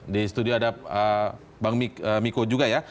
di studio ada bang miko juga ya